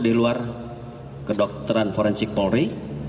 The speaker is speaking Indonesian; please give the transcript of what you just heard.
di luar kedokteran forensik polri